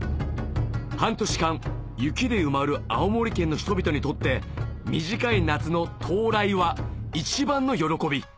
半年間雪で埋まる青森県の人々にとって短い夏の到来は一番の喜び